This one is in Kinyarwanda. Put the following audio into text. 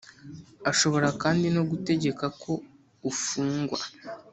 Ashobora kandi no gutegeka ko ufungwa.